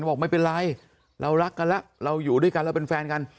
บอกไม่เป็นไรเรารักกันแล้วเราอยู่ด้วยกันเราเป็นแฟนกัน